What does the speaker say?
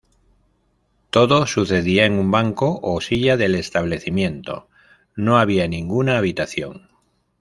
Todo sucedía en un banco o silla del establecimiento: no había ninguna habitación.